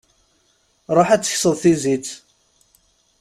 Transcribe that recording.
Ruḥ ad tekseḍ tizit.